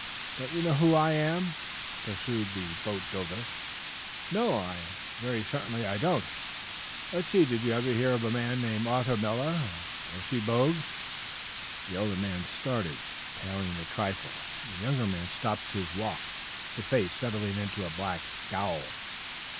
"Don't you know who I am?" pursued the boat builder. "N no; I'm very certain I don't." "Let's see. Did you ever hear of a man named Arthur Miller, of Sebogue?" The elder man started, paling a trifle. The younger man stopped his walk, his face settling into a black scowl.